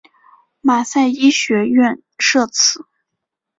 马赛医学院设此。